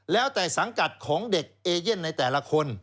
แล้วแต่สังกัดของเด็กเอเย่นในแต่ละคน